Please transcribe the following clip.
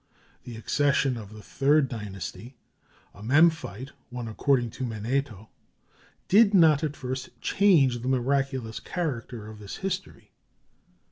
The accession of the III dynasty, a Memphite one according to Manetho, did not at first change the miraculous character of this history.